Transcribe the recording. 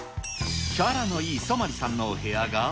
キャラのいいソマリさんのお部屋が。